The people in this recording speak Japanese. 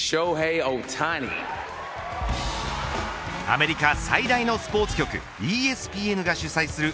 アメリカ最大のスポーツ局ＥＳＰＮが主催する